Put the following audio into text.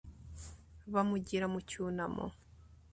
bamugira mu cyunamo